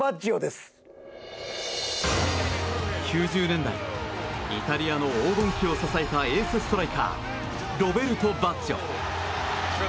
９０年代イタリアの黄金期を支えたエースストライカーロベルト・バッジョ。